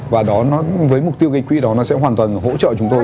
và với mục tiêu cái quỹ đó nó sẽ hoàn toàn hỗ trợ chúng tôi